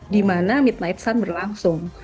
dimana midnight sun berlangsung